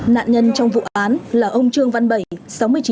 nạn nhân trong vụ án là ông trương văn bảy